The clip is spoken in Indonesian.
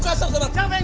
jangan jangan jangan